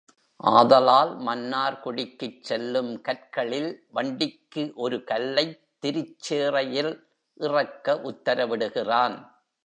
ஆதலால் மன்னார்குடிக்குச் செல்லும் கற்களில் வண்டிக்கு ஒரு கல்லைத் திருச் சேறையில் இறக்க உத்தர விடுகிறான்.